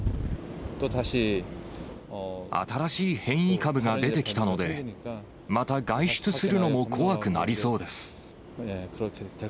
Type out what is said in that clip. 新しい変異株が出てきたので、また外出するのも怖くなりそうです。